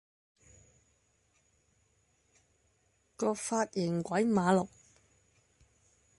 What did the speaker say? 個髮型鬼五馬六